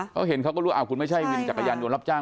เขาเห็นเขาก็รู้คุณไม่ใช่วินจักรยานยนต์รับจ้าง